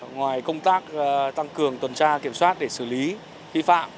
ngoài công tác tăng cường tuần tra kiểm soát để xử lý vi phạm